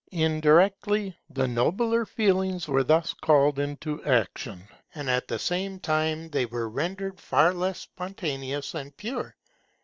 Indirectly, the nobler feelings were thus called into action; but at the same time they were rendered far less spontaneous and pure.